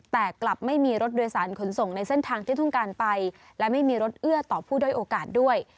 แต่กลับไม่มีรถโดยสารขนส่งในเส้นทางที่ต้องการไปและไม่มีรถเอื้อต่อผู้ด้อยโอกาสด้วย